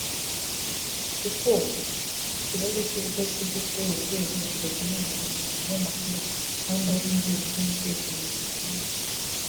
kuko ikibazo cy’ubutasi bwo kuri uru rwego kidakemurirwa mu binyamakuru kandi hari inzego z’umutekano zikora neza